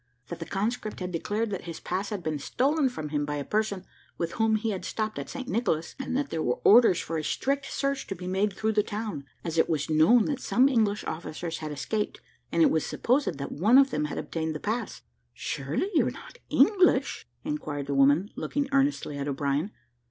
That the conscript had declared that his pass had been stolen from him by a person with whom he had stopped at St. Nicholas, and that there were orders for a strict search to be made through the town, as it was known that some English officers had escaped, and it was supposed that one of them had obtained the pass. "Surely you're not English?" inquired the woman, looking earnestly at O'Brien.